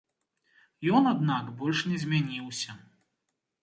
Ён, аднак, больш не змяніўся.